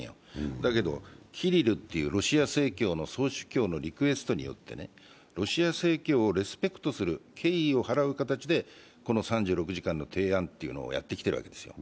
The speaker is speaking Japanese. だけど、キリルという、ロシア正教のリクエストによってロシア正教をリスペクトする、敬意を払う形でこの３６時間の提案をやってきているわけですよ。